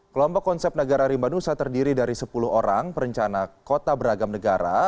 kelompok konsep negara rimba nusa terdiri dari sepuluh orang perencana kota beragam negara